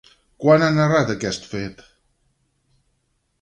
Quan ha narrat aquest fet?